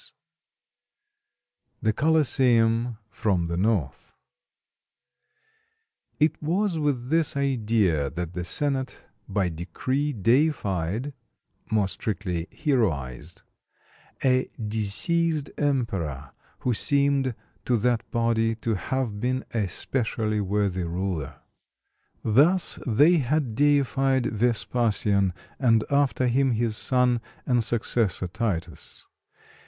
[Illustration: THE COLOSSEUM FROM THE NORTH] It was with this idea that the senate by decree deified (more strictly, heroized) a deceased emperor who seemed to that body to have been a specially worthy ruler. Thus they had deified Vespasian, and after him his son and successor Titus.